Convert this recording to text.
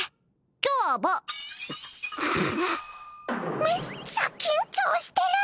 今日はバめっちゃ緊張してる！